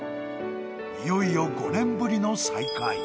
いよいよ５年ぶりの再会。